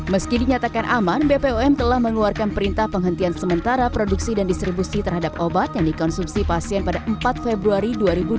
meski dinyatakan aman bpom telah mengeluarkan perintah penghentian sementara produksi dan distribusi terhadap obat yang dikonsumsi pasien pada empat februari dua ribu dua puluh